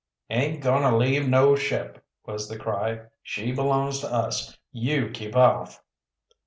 "Aint going to leave no ship!" was the cry. "She belongs to us. You keep off!"